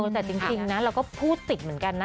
แต่จริงนะเราก็พูดติดเหมือนกันนะ